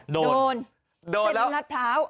โดนเป็ะบนรัฐเท้า